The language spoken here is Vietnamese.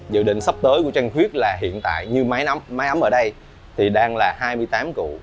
dự định sắp tới của trang khuyết là hiện tại như mái ấm mái ấm ở đây thì đang là hai mươi tám cụ